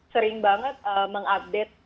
sering banget mengupdate